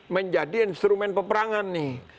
menjadi instrumen peperangan nih